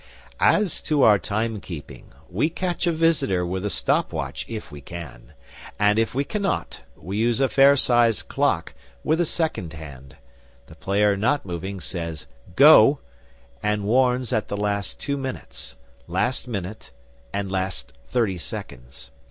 As to our time keeping, we catch a visitor with a stop watch if we can, and if we cannot, we use a fair sized clock with a second hand: the player not moving says "Go," and warns at the last two minutes, last minute, and last thirty seconds.